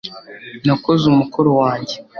nakoze umukoro wanjye